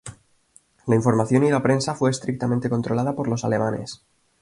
La información y la prensa fue estrictamente controlada por los alemanes.